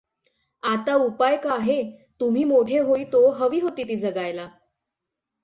आता उपाय का आहे? तुम्ही मोठे होईतो हवी होती ती जगायला.